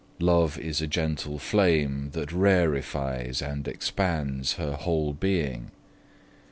Love is a gentle flame that rarefies and expands her whole being.